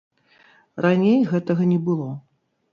Раней гэтага не было.